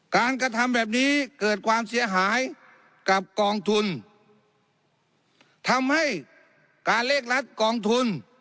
การกระทำแบบนี้เกิดความเสียหายกับกองทุนทำให้การเลขรัดกองทุน